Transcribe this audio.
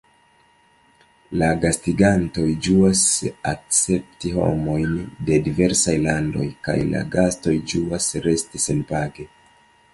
La gastigantoj ĝuas akcepti homojn de diversaj landoj, kaj la gastoj ĝuas resti senpage.